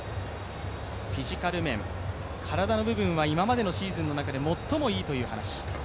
フィジカル面、体の部分では今までのシーズンで最もいいという話。